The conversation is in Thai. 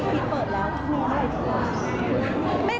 พี่เคสลงได้ปิดแล้วคู่นี้ได้ที่ไหน